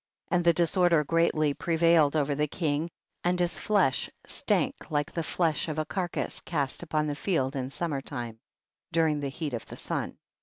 57. And the disorder greatly pre vailed over the king, and his flesh stank like the flesh of a carcase cast upon the field in summer time, during the heat of the sun.